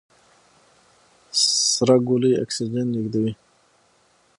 سره ګولۍ اکسیجن لېږدوي.